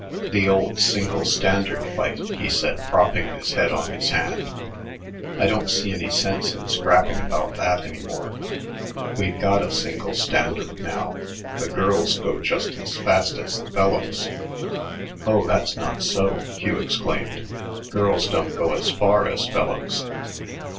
"The old single standard fight," he said, propping his head on his hand. "I don't see any sense in scrapping about that any more. We've got a single standard now. The girls go just as fast as the fellows." "Oh, that's not so," Hugh exclaimed. "Girls don't go as far as fellows."